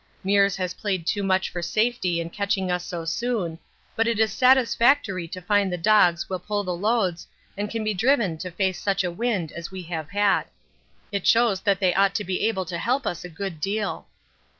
Meares has played too much for safety in catching us so soon, but it is satisfactory to find the dogs will pull the loads and can be driven to face such a wind as we have had. It shows that they ought to be able to help us a good deal.